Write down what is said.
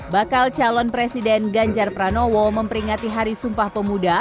bakal calon presiden ganjar pranowo memperingati hari sumpah pemuda